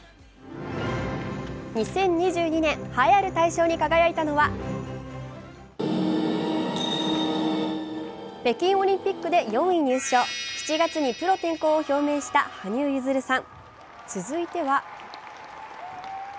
２０２２年栄えある大賞に輝いたのは北京オリンピック４位入賞、７月にプロ転向を表明した羽生結弦さん。